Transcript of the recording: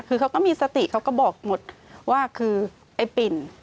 คือเขาก็มีสติเขาก็บอกหมดว่าคือไอ้ปิ่น